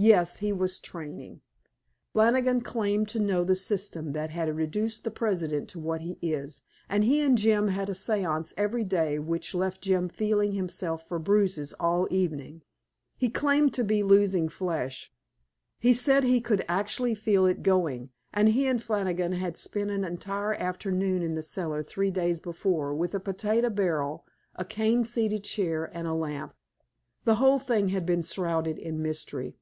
Yes, he was training. Flannigan claimed to know the system that had reduced the president to what he is, and he and Jim had a seance every day which left Jim feeling himself for bruises all evening. He claimed to be losing flesh; he said he could actually feel it going, and he and Flannigan had spent an entire afternoon in the cellar three days before with a potato barrel, a cane seated chair and a lamp. The whole thing had been shrouded in mystery.